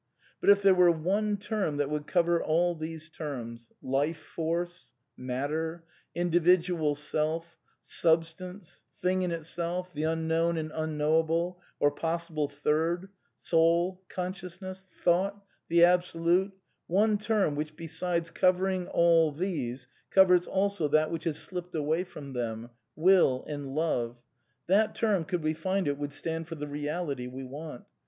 But, if there were /ne te^ ^that would cover all these terms: Life Force; MaBe?; Individual Self; Substance; Thing in Itself , the Unmown and Unknowable or possible Third; Soul; Consciou/ness ; Thought; the Absolute; one term which, besides opvering all these, covers also that which has slipped away from them — Will and Love, that term, could we And it, would stand for the Reality we want.